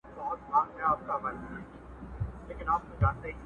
وروستۍ برخه ټولنيز نقد ته ځي